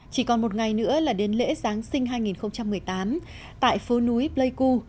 chỉ còn một ngày nữa là đến lễ giáng sinh hai nghìn một mươi tám tại phố núi pleiku